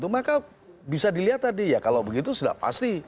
maka bisa dilihat tadi ya kalau begitu sudah pasti